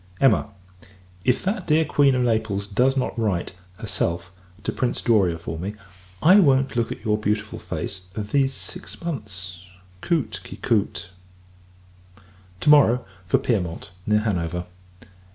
Emma! if that dear Queen of Naples does not write, herself, to Prince D'Oria, for me, I won't look at your beautiful face these six months "coute qui coute." To morrow, for Pyrmont, near Hanover.